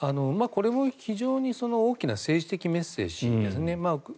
これも非常に大きな政治的メッセージですね。